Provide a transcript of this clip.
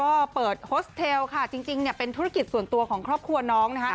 ก็เปิดโฮสเทลค่ะจริงเนี่ยเป็นธุรกิจส่วนตัวของครอบครัวน้องนะคะ